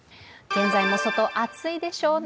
現在も外暑いでしょうね。